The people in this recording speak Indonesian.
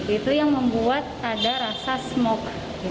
itu yang membuat ada rasa smog